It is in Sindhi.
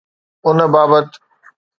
ان بابت